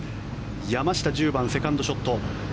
山下１０番、セカンドショット。